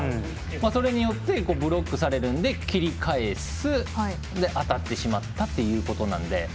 それによってブロックされるので切り返すで、当たってしまったということなんで。